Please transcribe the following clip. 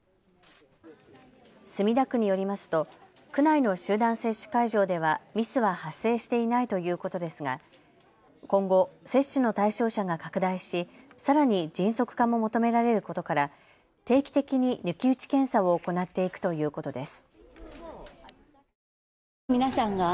墨田区によりますと区内の集団接種会場ではミスは発生していないということですが今後、接種の対象者が拡大しさらに迅速化も求められることから定期的に抜き打ち検査を行っていくということです。